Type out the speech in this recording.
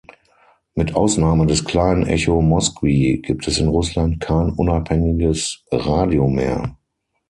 Mit Ausnahme des kleinen Echo Moskwy gibt es in Russland kein unabhängiges Radio mehr.